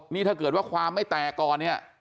นี่ถ้าเกิดว่าความไม่แตกก่อนเนี่ย